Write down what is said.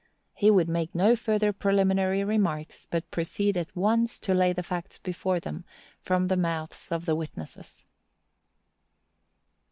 He would make no further preliminary remarks, but proceed at once to lay the facts before them, from the mouths of the witnesses.